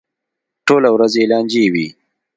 ټوله ورځ یې لانجې وي.